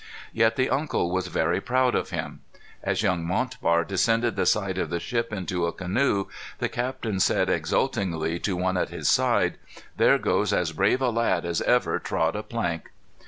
Yet the uncle was very proud of him. As young Montbar descended the side of the ship into a canoe, the captain said exultingly to one at his side, "There goes as brave a lad as ever trod a plank."